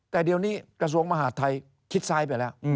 แต่เดี๋ยวนี้กระทรวงมหาดไทยคิดซ้ายไปแล้ว